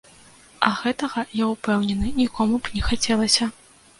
А гэтага, я ўпэўнены, нікому б не хацелася.